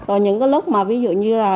còn những cái lúc mà ví dụ như là